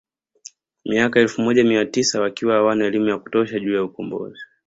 Miaka ya elfu moja mia tisa wakiwa hawana elimu ya kutosha juu ya ukombozi